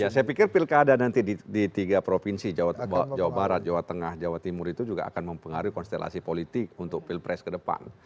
ya saya pikir pilkada nanti di tiga provinsi jawa barat jawa tengah jawa timur itu juga akan mempengaruhi konstelasi politik untuk pilpres ke depan